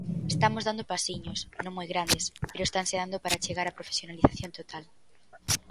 Estamos dando pasiños, non moi grandes, pero estanse dando para chegar á profesionalización total.